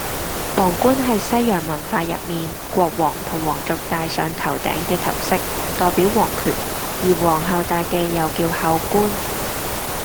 王冠係西洋文化入面國王同王族戴上頭頂嘅頭飾，代表王權。而王后戴嘅又叫后冠